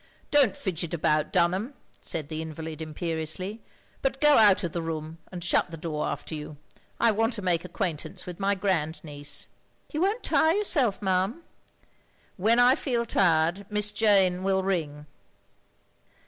"Don't fidget about, Dunham," said the invalid, imperiously, " but go out of the room and shut the door after you. I want to make ac quaintance with my grand niece." "You won't tire yourself, ma'am?" "When I feel tir^, Miss Jane will ring."